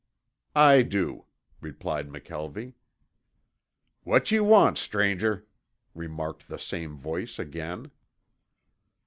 "I do," replied McKelvie. "What you want, stranger?" remarked the same voice again.